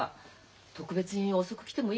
特別に遅く来てもいいわよ。